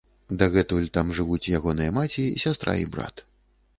Дагэтуль там жывуць ягоныя маці, сястра і брат.